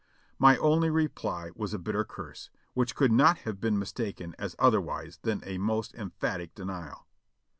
My only reply was a bitter curse, which could not have been mistaken as otherwise than a most emphatic denial.